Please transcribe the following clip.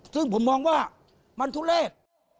ซึ่งผมมองว่ามันทุเลศ